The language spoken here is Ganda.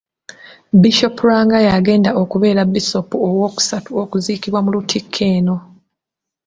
Bishop Lwanga y'agenda okubeera Bisoopu owookusatu okuziikibwa mu Lutikko eno.